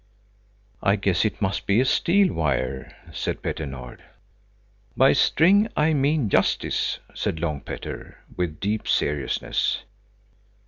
"I guess it must be a steel wire," said Petter Nord. "By the string I mean justice," said Long Petter with deep seriousness.